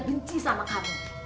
benci sama kamu